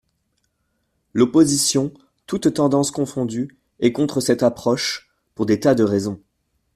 L’opposition, toutes tendances confondues, est contre cette approche, pour des tas de raisons.